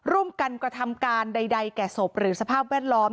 ร่วมกันกระทำการใดแก่ศพหรือสภาพแวดล้อม